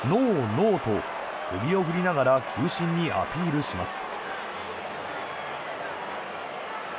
ノー！と首を振りながら球審にアピールします。